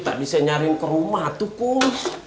tak bisa nyariin kerumah tuh kum